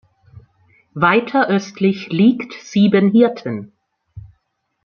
Weiter östlich liegt Siebenhirten.